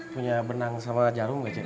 punya benang sama jarum gak cek